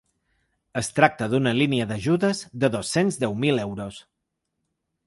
Es tracta d’una línia d’ajudes de dos-cents deu mil euros.